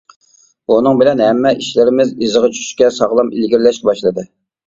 بۇنىڭ بىلەن ھەممە ئىشلىرىمىز ئىزىغا چۈشۈشكە، ساغلام ئىلگىرىلەشكە باشلىدى.